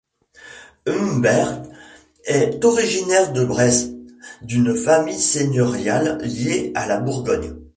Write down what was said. Hmbert est originaire de Bresse, d'une famille seigneuriale liée à la Bourgogne.